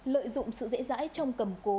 lợi dụng sự dễ dãi trong cầm cố